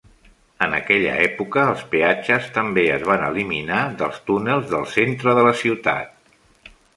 En aquella època, els peatges també es van eliminar dels túnels del centre de la ciutat.